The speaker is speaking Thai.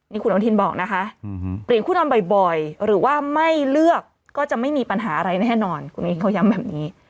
นี่คุณอาทินบอกนะคะอืมหือเปลี่ยนคู่นอนบ่อยบ่อยหรือว่าไม่เลือกก็จะไม่มีปัญหาอะไรแน่นอนคุณเองเขายำแบบนี้